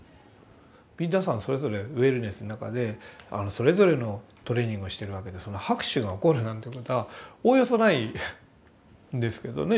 皆さんそれぞれウェルネスの中でそれぞれのトレーニングをしてるわけで拍手が起こるなんてことはおおよそないですけどね。